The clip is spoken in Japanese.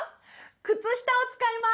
靴下を使います！